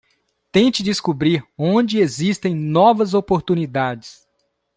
Tente descobrir onde existem novas oportunidades